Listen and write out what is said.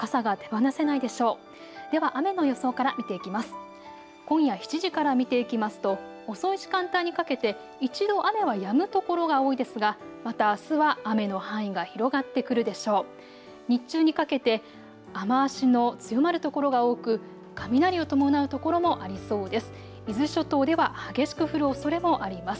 日中にかけて雨足の強まる所が多く雷を伴う所もありそうです。